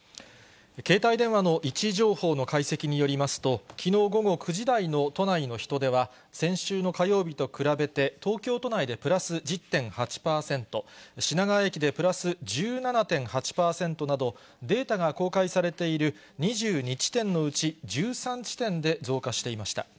携帯電話の位置情報の解析によりますと、きのう午後９時台の都内の人出は、先週の火曜日と比べて、東京都内でプラス１０．８％、品川駅でプラス１７．８％など、データが公開されている２２地点のうち、１３地点で増加していました。